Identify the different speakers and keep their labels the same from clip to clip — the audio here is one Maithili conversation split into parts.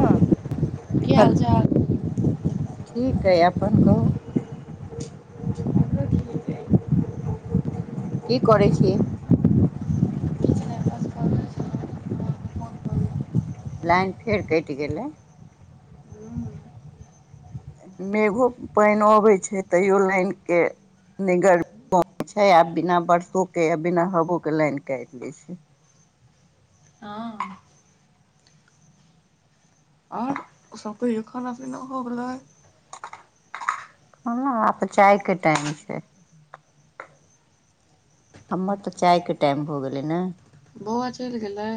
Speaker 1: हँ
Speaker 2: की
Speaker 1: हलो,
Speaker 2: हाल चाल
Speaker 1: ठीक अय अपन कहू। की करै छी।
Speaker 2: किछ नहि बस पढ़ै छलहुँ अहाँके फोन करू
Speaker 1: लाइन फेर कटि गेलै। मेघो-पाइनो अबै छै तैयो लाइनके। गर् मी बहुत छै आ बिना बरसों के या बिना हबो के लाइन काटि दै छै।
Speaker 2: हँ आओर। ओ सब कहियौ। खाना-पिना हो गेलय।
Speaker 1: हाॅं आब तऽ चाई के टाइम छै। हमर तऽ चाई के टाइम भऽ गेलै नें।
Speaker 2: बौआ चलि गेलै।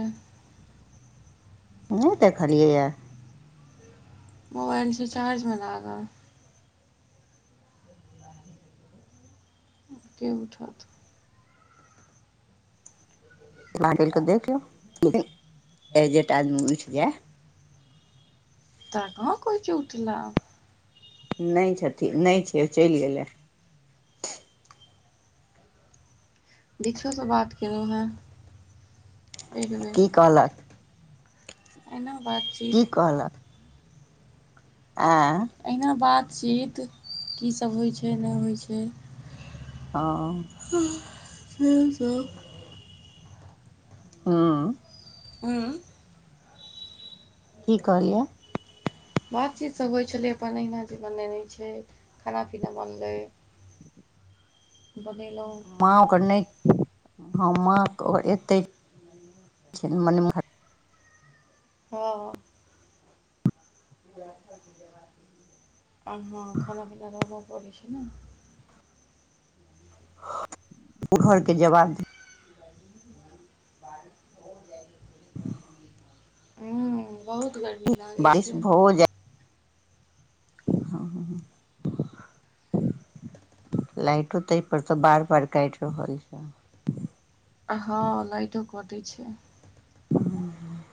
Speaker 1: नहि देखलियै यऽ।
Speaker 2: मोबाइल छै चार्ज में लगाल। के उठत।
Speaker 1: बाहर टहलि कऽ देखि लियो, एजेट आदमी उठि जाय।
Speaker 2: तोरा कहाँ कहै छै ऊठ ला।
Speaker 1: नहि छथिन, नहि छय चलि गेलै।
Speaker 2: दिक्षो से बात केलहुँ हें एक बेर।
Speaker 1: की कहलक
Speaker 2: एना बात।
Speaker 1: की कहलक। आं।
Speaker 2: एहिना बात-चीत की सभ होइ छै नहि होइ छै।
Speaker 1: हँ।
Speaker 2: आह--सेहे सब।
Speaker 1: हुं।
Speaker 2: ऊं।
Speaker 1: की कहलियै।
Speaker 2: बात-चीत सभ होइ छलै, अपन अहिना जे बनेने छै, खाना-पीना बनलै। बनेलहुँ
Speaker 1: माँओ कऽ नै। हाॅं माॅं तऽ एतय छनि, मने भद।
Speaker 2: हँ। आ हँ खाना-पिना तऽ बनबऽ परय‌ छै ने।
Speaker 1: ओ घऽरके जबाब देही।
Speaker 2: हुं बहुत। गरमी लागै
Speaker 1: बारिश
Speaker 2: छै।
Speaker 1: हँ, हँ, हँ। लाइटो ताहि पर तऽ बार- बार काटि रहल छै।
Speaker 2: आहँ लाइटो कऽटै छै।
Speaker 1: ह।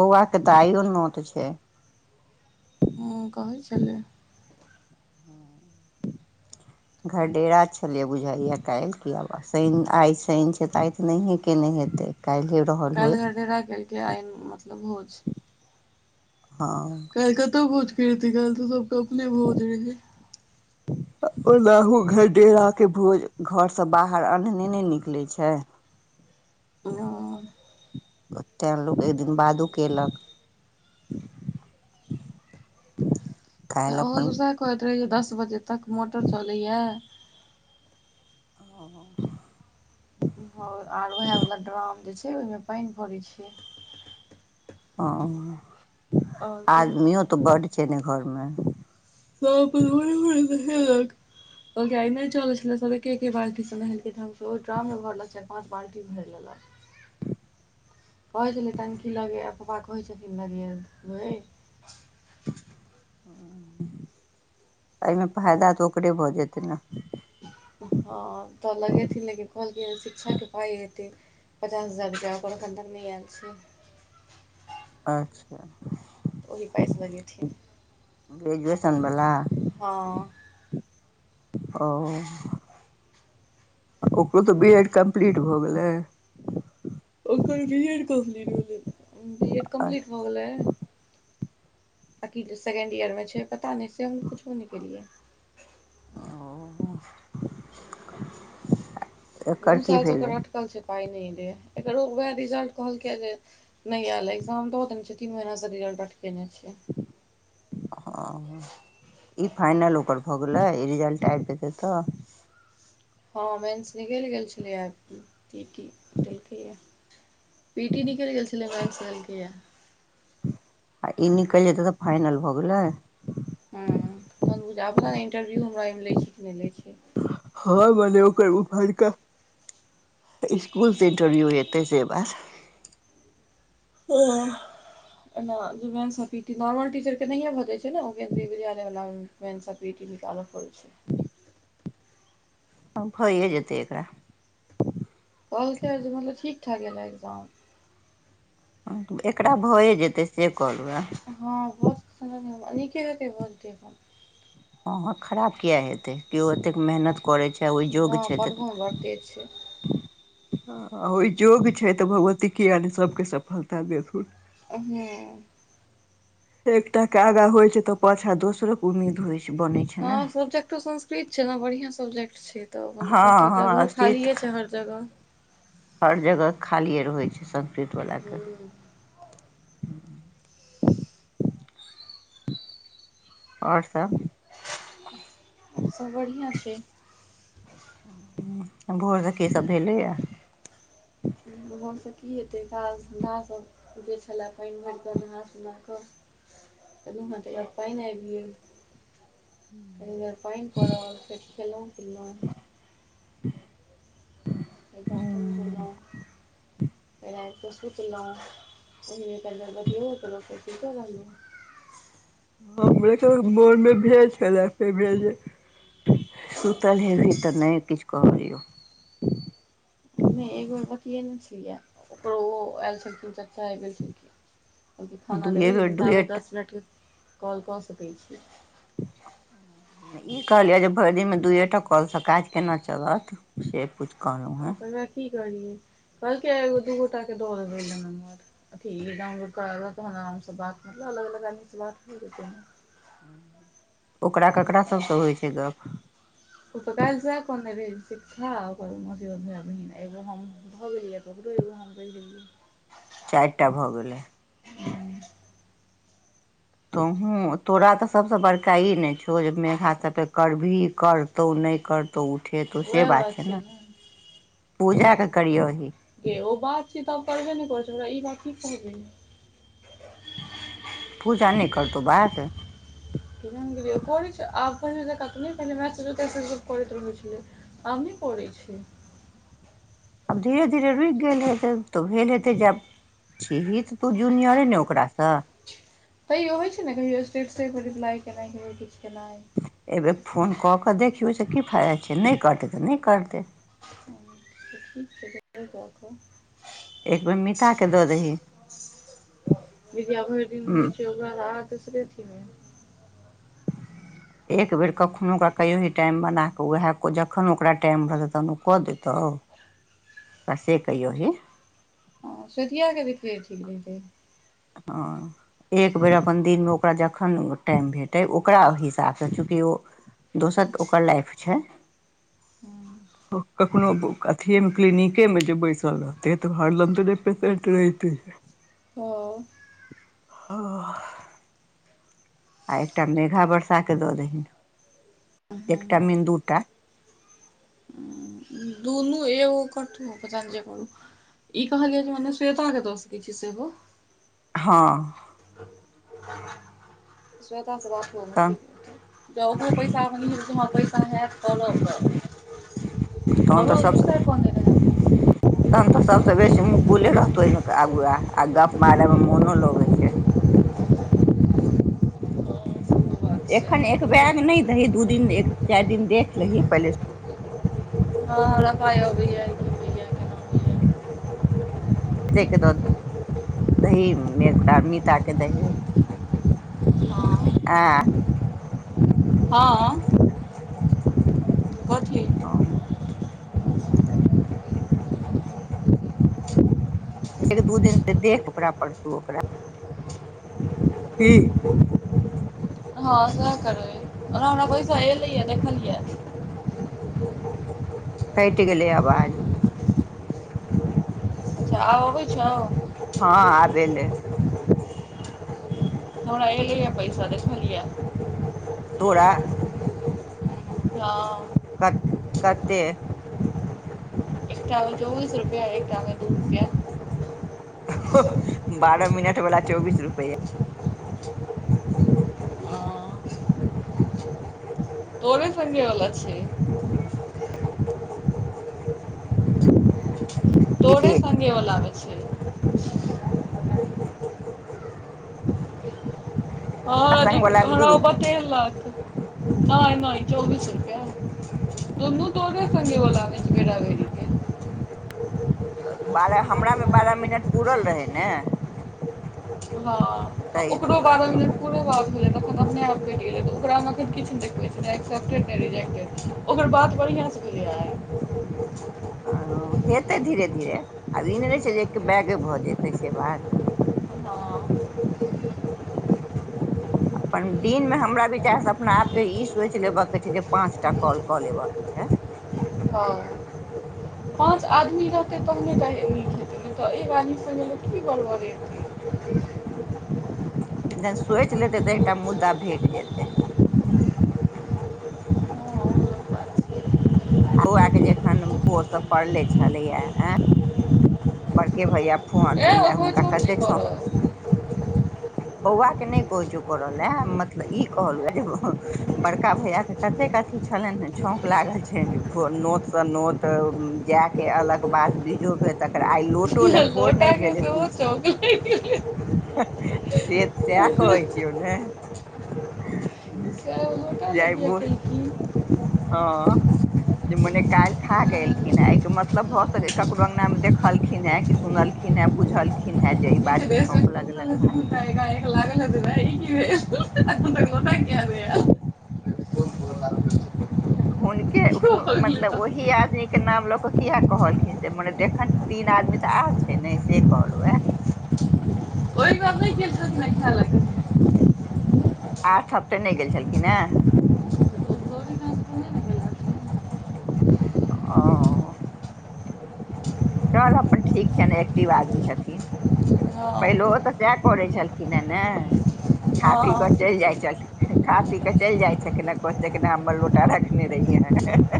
Speaker 1: बौआ कऽत आइयो नोत छै।
Speaker 2: हँ कहय छलै।
Speaker 1: घर-डेरा छलियै बुझैयै काइल‌ की आइ। सैन आइ सैन छै तऽ आइ तऽ नहिये केने हेतै, काईल्हे।
Speaker 2: काल्हि घर-डेरा केलकै आय मतलब भोज।
Speaker 1: हँ।
Speaker 2: काल्हि कतऽ भोज खुऐतै काईल तऽ सबके अपने भोज रहै।
Speaker 1: आ ओहू घर-डेरा के भोज घरसँ बाहर अन्हने नहि ने निकले छै।
Speaker 2: हुं।
Speaker 1: ओतैँ लोक एक दिन बादो केलक। काल्हि
Speaker 2: ओहो
Speaker 1: अपन
Speaker 2: सब सेहे कहैत रहै जे दस बजे तक मोटर चलैय।
Speaker 1: हाॅं, हाॅं।
Speaker 2: हाॅं, आर वएह वाला ड्राम जे छै ओहिमें पानि भरै छियै।
Speaker 1: ओ,
Speaker 2: आओर फेर
Speaker 1: आदमियो तऽ बडु छै ने घऽरमें।
Speaker 2: सब तऽ ओहि में नहेलक। कहलकै आय नै चऽलै छलय सब ऐके-ऐके बाल्टी सऽ नेहेलकै ढंग से, ओहि ड्राम में भरने छलियै। पाँच बाल्टी भरि लेलक। कहै छलै टंकी लगइये पप्पा कहै छथिन लगेबै।
Speaker 1: हां, एहिमें फायदा तऽ ओकरे भऽ जेतै ने।
Speaker 2: हँ तऽ लगेथिन, लेकिन कहलकिन शिक्षा के पाइ। पचास हजार रुपया ओकर एखन तक नहि आयल छै।
Speaker 1: अच्छा,
Speaker 2: ओहि पाइसँ लगेथिन
Speaker 1: ग्रेजुएशनवला।
Speaker 2: हँ।
Speaker 1: ओ ओकरो तऽ बी एड कम्प्लीट भ गेलै।
Speaker 2: ओकर बी एड कम्पलीट भेलइ नै पत्ता, बी एड कम्पलीट भ गेलै। आ कि सेकेंड ईयर में छै, पता नइ से हम पुछबो नइ केलियै।
Speaker 1: ओ।
Speaker 2: दू सालसँ ओकर अटकल छै, पाइ नहि लै हे, एकरो उएह रिजल्ट कहलकै जे। नइ आयल अइ, एक्जाम द देने छथिन वहै से रिजल्ट अटकेने छै।
Speaker 1: हां। ई फाइनल ओकर भऽ गेलै रिजल्ट आबि जेतै तऽ।
Speaker 2: हँ मेन्स निकलि गेल छलैए आब की-की देलकैए। पी टी नीकइल गेल छेलैये, मेन्स देलकैये।
Speaker 1: आ ई नीकइल जेतै तऽ फइनल भ गेलै।
Speaker 2: हँ तहन बुझा पड़ै ने इंटरव्यू हमरा एहिमें लै छी कि नहि लै छै।
Speaker 1: हँ मने ओकर उपरका इसकूल से इंटरव्यू हे। तैसे बाद।
Speaker 2: ओ। मेन्स और पी टी नॉर्मल टीचर के नहिय भजै छै ने्र विद्यालय वाला में मेंस आ पी टी निकालऽ परय छै।
Speaker 1: भइए जेतै एकरा।
Speaker 2: कहलके मतलब ठीक- ठाक गेल हे एग्जाम।
Speaker 1: एकरा भए जेतै से कहलहु हें।
Speaker 2: हँ बहुत सुन्दर अ नीके हतै भऽ जत्ते अपन।
Speaker 1: हँ, हँ खराब किया हेतै, कीयो ओतेक मेहनत। करै छै ओहि योग्य
Speaker 2: हँ
Speaker 1: छै तऽ
Speaker 2: पढ़हो में बड तेज छै।
Speaker 1: आ ओहि योग्य छै तऽ भगवती किये नहि सभके सफलता देथुन।
Speaker 2: हूं।
Speaker 1: एकटा के आगा होइ छै तऽ पाछा दोसरो के उम्मीद होइ छै, बनै छै ने।
Speaker 2: हँ सब्जेक्टो संस्। कृत छै ने बढ़ियां सब्जेक्ट छै। तऽ
Speaker 1: हँ
Speaker 2: म तऽ
Speaker 1: हँ
Speaker 2: जगहो खालिये
Speaker 1: अस्तित्व
Speaker 2: छै हर
Speaker 1: हर जगह
Speaker 2: जगह।
Speaker 1: खालिए रहै छै संस्कृतवलाके।
Speaker 2: हूँ
Speaker 1: आओर सब।
Speaker 2: सब बढ़िआँ छै।
Speaker 1: भोर से की सभ भेलैए।
Speaker 2: भोर स की हेतै काज-धन्धा सभ। जे छलै पाइनभइर क नहा-सुना कऽ। रुम में तऽ हैय पाइन आबि गेल। कहैये पाइन पड़ल, फेर खेल्लौं-पिल्लौं।
Speaker 1: [inaudible]
Speaker 2: फेर बर्तन धोउलौं। फेर आबिक सूतलौं, [unintelligible] फेर सुइतौ रहलौं।
Speaker 1: हम मोन में भेल छलै, फेर भेल जे। सुतल हेभी तऽ नहि किछ कहलियौ।
Speaker 2: नहि एक बेर बतियेने छेलियइ, ओकरो ओ आयल छलखिन चच्चा आब गेल छलखिन की। कहलखिन खाना
Speaker 1: दुए
Speaker 2: देबै,
Speaker 1: बेर
Speaker 2: लेकिन ताबे
Speaker 1: दुएटा
Speaker 2: दस मिनटके कॉल कऽ सकै छी। [inaudible]
Speaker 1: ई कहलियअ जे भरि दिनमें दुइएटा कालसँ काज केना चलत से पूछ।
Speaker 2: हम त हमरा की कहलियै, कहलके एगो दू-गोटाके दैबै नम्बर। ठीक डॉउनलोड करा देतहुं त आरामसँ बात मतलब अलग अलग आदमी से बात करितै।
Speaker 1: ओकरा ककरा सभसँ होइ छै गप।
Speaker 2: ओ त काल्हि सैह कहने रहै, शिक्षा आ ओकर माय बहिन आ एगो हम। भ गेलियै ककरो एगो हम कहि देलियै।
Speaker 1: चारि टा भ गेलै
Speaker 2: गेलियै
Speaker 1: तोँहु तोरा त सबसे बड़का ई ने छौ जे मेघा सब पर ते करबही काल त ओ नहि करतौ उठेतौ से बात छै ने
Speaker 2: हँ।
Speaker 1: पूजा के करियौ ही।
Speaker 2: ऐ ओ बात चीत त करबे नहि करै छै ओकरा ई बात की कहबिही।
Speaker 1: पूजा नई करतौ बात।
Speaker 2: िय करै आब पहिने तऽ नहि पहि मैज तेज सब करैत रहै छलै [unintelligible] अहुं करै छियै।
Speaker 1: आब धीरे धीरे रुकि गेल हेतै त भेल हेतै जे आब छैहे त तू जूनियरे ने ओकरासे
Speaker 2: तैयो होय छै ने कहियो स्टेट से रिप्लाई केनाइ, कहियो किछु केनाइ
Speaker 1: एहि बेेर फोन क क देखियौ से की फायदा छै, नै करतै त नै करतै।
Speaker 2: हं देखै छियै एक बेर क के।
Speaker 1: एक बेर मिताके दऽ दही
Speaker 2: निभीया भैर दिन
Speaker 1: हूँ
Speaker 2: रोयै छै। हम अहांके सुनै छी ने
Speaker 1: एक बेर कखनो ओकरा कहियो ही टाइम बना क ओएह जखन ओकरा टाइम रहतौ तखन ओ क देतहु।
Speaker 2: [inaudible]
Speaker 1: आ से कहियौ ने।
Speaker 2: हं सुतिये के देखियै ठीक रहतै।
Speaker 1: हँ, एक बेर अपन दिन में ओकरा जखन टाइम भेटै ओकरा ओही हिसाब से चूँकि ओ दोसर ओकर लाइफ छै।
Speaker 2: हुं।
Speaker 1: कखनो अथिये मे क्लीिनिके में जे बैसल रहतै त हरदम ते पेसेंट रहिते छै।
Speaker 2: हँ।
Speaker 1: हं। आ एकटा मेघा बरसा के द दहीन। एकटा मीन दूटा
Speaker 2: दुनु एगो करथुन दोसर जे करौ। ई कहलियै जे मने स्वेता के द सकै छियै सेहो
Speaker 1: हँ।
Speaker 2: श्वेता से बात कर लेनाइ
Speaker 1: तहन
Speaker 2: ठीक रहतै। [inaudible] पैसा हयैत करब त।
Speaker 1: तखन त सबसे
Speaker 2: कोन
Speaker 1: नीक
Speaker 2: देने हेतै
Speaker 1: तखन त सबसे बेसी मुकुले रहतौ ओहिमे आगु आ गप मारे मे मोनो लगै छै। अखैन एक बैग नहि कही दू दिन चारि दिन देख लही पहिले
Speaker 2: हँ हमरा पाय अबैये।
Speaker 1: कै के द दही ओही के बाद मीता के दही।
Speaker 2: होइया
Speaker 1: आ
Speaker 2: हँ। कथि
Speaker 1: हँ दू दिन त देख ओकरा परसू ओकरा की।
Speaker 2: हँ सैह करबै ओना हमरा बैस एलेए देखलिये।
Speaker 1: कटि गेलै आवाज।
Speaker 2: अच्छा, आब आबै छौ।
Speaker 1: हँ आब एलै।
Speaker 2: हमरा एलैै ये पैसा देखलियै।
Speaker 1: तोरा।
Speaker 2: [unintelligible] हं।
Speaker 1: कत कत्ते?
Speaker 2: एकटामे चौबीस रुपैया, एकटामे दू रुपैया।
Speaker 1: हँ बारह मिनट वला चौबीस रुपैया।
Speaker 2: हँ तोरे संगेवला छियै।
Speaker 1: [unintelligible]
Speaker 2: केवला आबै छैय। हँ हमरा देख
Speaker 1: संग वाला
Speaker 2: के
Speaker 1: मे दू
Speaker 2: हमरा ओ
Speaker 1: रूप
Speaker 2: बतेलक। नहि -नहि चौबीस रुपैया दुनू तोरे संगेवला अछि, बेेरा -बेेरीे।
Speaker 1: बारह हमरामे बारह मिनट पूरल रहै ने।
Speaker 2: हँ आ
Speaker 1: ताहि
Speaker 2: ओकरो बारह
Speaker 1: दुआरे
Speaker 2: मिनट कोनो बात भेलै अपने आप कटि गेलै तऽ, ओकरामे एखन किछु नहि देखबै छैय, [unintelligible] एप के अपडेट करही जाय के ओकर बात बढ़िया से भेलै आइ।
Speaker 1: ह हेतै धीरे -धीरे, आब ई नहि रहै छैय जे एके बैगे भऽ जेतै से बात।
Speaker 2: हँ [inaudible]
Speaker 1: अपन दिन मे हमरा विचार से, अपना आप के ई सोचि लेबऽ के छैय जे, पांच टा कॉल कऽ लेबऽ के छैय।
Speaker 2: हँ। पाँच आदमी रहतय तहने जाय के नीक हेतै, नहि तऽ एक आदमी से जे की बड़ बड़ते।
Speaker 1: [unintelligible] जेना सोचि लेतै तऽ, एकटा मुद्दा भेट जेतै। बौआके जे एखन भोर स पड़ले छलैये आँय बड़के भैया फोन
Speaker 2: ए
Speaker 1: ले
Speaker 2: ओकरो
Speaker 1: हुनका
Speaker 2: छौन
Speaker 1: कत्ते
Speaker 2: नहि
Speaker 1: सख
Speaker 2: करब
Speaker 1: बौआ के नहि कहै छौ करऽ ले मतलब ई कहलहुँ हे एगो बड़का भैया कतेक अथी छलनि हें, छौंक लागल छैन्ह नोत से नोत जाय। के अलग बात बीजहो भेल तकर आइ लोक
Speaker 2: हँह लोटा के सेहो छौंक लागि गेलै हँ।
Speaker 1: से तऽ सैह कहै छियौ ने।
Speaker 2: सएह लोटा
Speaker 1: जे
Speaker 2: लय
Speaker 1: आइ
Speaker 2: किये
Speaker 1: भोर
Speaker 2: केलखिन
Speaker 1: हँ
Speaker 2: [unintelligible]
Speaker 1: जे मने काल्हि खा के एलखिन हे, अहिके मतलब भऽ सकै जे ककरो अंगना मे देखलखिन है। सुनलखिन हें बुझलखिन हें, जे ई बात के छौंक लगलनि हे़।
Speaker 2: गै गै तू लागल हेतै गै ई की भे एक दू एखन तक लोटा किये न ऐल। [unintelligible]
Speaker 1: हुनके
Speaker 2: इहो भ गेलै
Speaker 1: मतलब
Speaker 2: तऽ
Speaker 1: ओही आदमीके नाम लऽ कऽ किये कहलखिन, से मने देखनि। तीन आदमी तऽ आओर छैय ने से कहलहुँ ये।
Speaker 2: [unintelligible] ओहि गाँव नहि गेल छलथिन खाय ले।
Speaker 1: आठम त नहि गेल छलखिन ने
Speaker 2: गौरी गाम पहिने ने गेल रहथिन
Speaker 1: ओ। चल अपन ठीक छन्हि एक्टिव आदमी छथिन्ह। पहिलोहो
Speaker 2: हँ
Speaker 1: तो सैह करै छलखिन हें ने खा पी कऽ
Speaker 2: हँ
Speaker 1: चलि जाइत छलखिन। खा पी कऽ चलि जाय छैलखिन आ कहै छलखिन हमर लोटा रखने रहिहैं।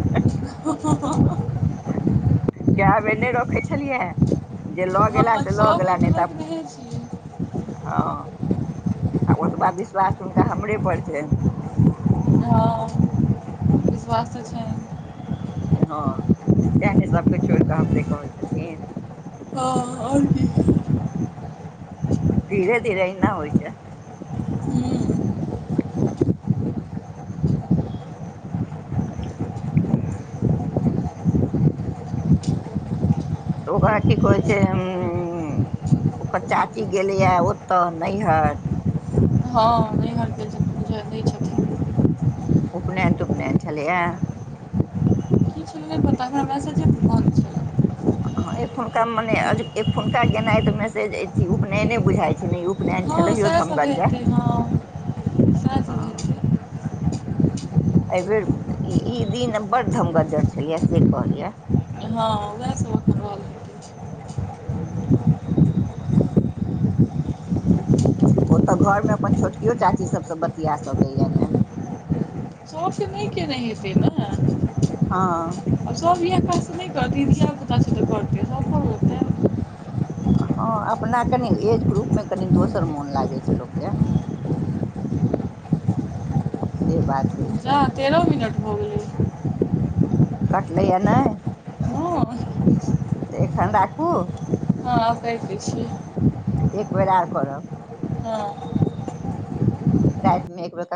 Speaker 2: हँ-हँ-हँ-ह।
Speaker 1: कय बेर ने रखय छलियै। जे लऽ गेला
Speaker 2: हँ
Speaker 1: से लऽ
Speaker 2: सब
Speaker 1: गेला
Speaker 2: बेर
Speaker 1: नहि
Speaker 2: तऽ
Speaker 1: त अप।
Speaker 2: रखनेहे छियै
Speaker 1: हँ आ ओतबा विश्वास हुनका हमरे पर छैय।
Speaker 2: हँ विश्वास््य छै।
Speaker 1: हँ तै ने सभके छोड़ कऽ हमरे कहै छथिन।
Speaker 2: हँ ओर कि।
Speaker 1: धीरे धीरे अहिना होइ छै। तऽ ओकरा की कहै छै उ। ओकर चाची गेलैए ओतऽ नैहर।
Speaker 2: हँ नहरके द छथिन।
Speaker 1: उपनयन तूपनयन छलैए।
Speaker 2: पतऽ नाय हमरा सब के कहत।
Speaker 1: ह एखुनका मने एखुनका गेनाइ तऽ मैसेज अछि उपनयने बुझाइत छै नहि उपनयन छै।
Speaker 2: हँ
Speaker 1: छलहौ
Speaker 2: सएह सब
Speaker 1: धमगज्जर
Speaker 2: हेतै हँ सएह
Speaker 1: ह।
Speaker 2: सब हेतै
Speaker 1: एहि बेेर ई दिन बड़ धमगज्जर छलियै से कहलियै।
Speaker 2: हँ ईहे सब। एखन रहल
Speaker 1: हँ। [inaudible] ओ तऽ घरमे अपन छोटकियो चाची सबसँ बतिया सकैया ने।
Speaker 2: इसब नहि केने हेतै ने।
Speaker 1: हा।
Speaker 2: आब सब इह काज त नहि करतै धिया पुता तऽ करतै सभै।
Speaker 1: हँ अपना कनि एज ग्रुपमे कनि दोसर मोन लागै छै लोककेँ। से बात होइ छै।
Speaker 2: तेरहो मिनट भो गेलै।
Speaker 1: कटलय ने।
Speaker 2: हँ हँ
Speaker 1: तऽ एखन राखू।
Speaker 2: हँ काइट दै छी।
Speaker 1: ऽ एक बेेर आर करब। राति मे एक प्रकार।